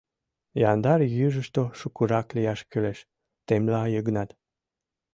— Яндар южышто шукырак лияш кӱлеш, — темла Йыгнат.